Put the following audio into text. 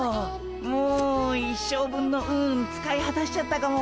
もう一生分の運使いはたしちゃったかも。